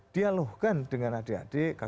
dialogkan dengan adik adik